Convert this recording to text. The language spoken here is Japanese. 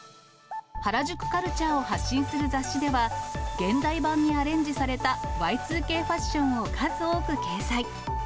原宿カルチャーを発信する雑誌では、現代版にアレンジされたＹ２Ｋファッションを数多く掲載。